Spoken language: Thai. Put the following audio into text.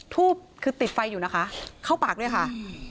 ทูบคือติดไฟอยู่นะคะเข้าปากด้วยค่ะ